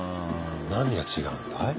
何が違うんだい？